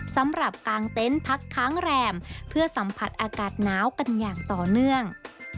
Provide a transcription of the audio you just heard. กลางเต็นต์พักค้างแรมเพื่อสัมผัสอากาศหนาวกันอย่างต่อเนื่อง